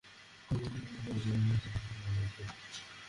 কিন্তু সেখান থেকেও তারা এক সময় বেরিয়ে পড়ে।